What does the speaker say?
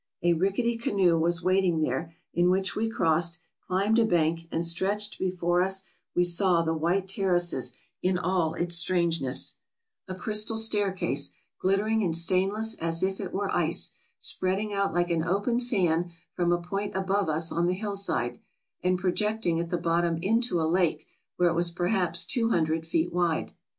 A rickety canoe was waiting there, in which we crossed, climbed a bank, and stretched before us we saw the White Terrace in all its strangeness ; MISCELLANEOUS 439 a crystal staircase, glittering and stainless as if it were ice, spreading out like an open fan from a point above us on the hillside, and projecting at the bottom into a lake, where it was perhaps two hundred feet wide.